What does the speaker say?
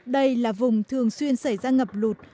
đây là vùng thường xuyên xảy ra ngập lụt